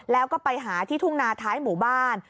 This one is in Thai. แล้วก็ไปหาที่ทุ่งนาท้ายหมู่บ้าน